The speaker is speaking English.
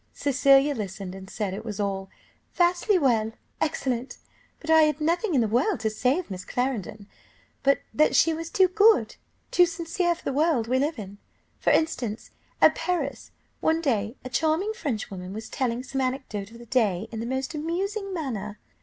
Cecilia listened, and said it was all "Vastly well! excellent! But I had nothing in the world to say of Miss Clarendon, but that she was too good too sincere for the world we live in. For instance, at Paris, one day a charming Frenchwoman was telling some anecdote of the day in the most amusing manner.